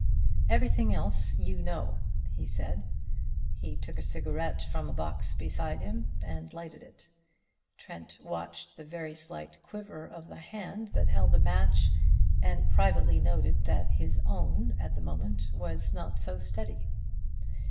"Everything else you know," he said. He took a cigarette from a box beside him and lighted it. Trent watched the very slight quiver of the hand that held the match, and privately noted that his own at the moment was not so steady.